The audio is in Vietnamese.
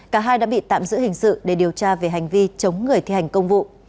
cả hai đã bị tạm giữ hình sự để điều tra về hành vi chống người thi hành công vụ